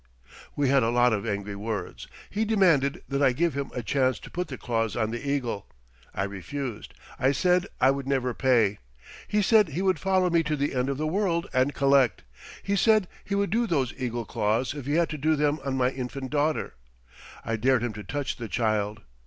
"We had a lot of angry words. He demanded that I give him a chance to put the claws on the eagle. I refused. I said I would never pay. He said he would follow me to the end of the world and collect. He said he would do those eagle claws if he had to do them on my infant daughter. I dared him to touch the child.